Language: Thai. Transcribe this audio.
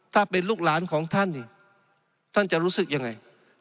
ถ้าเป็นลูกหลานของท่านนี่ท่านจะรู้สึกยังไง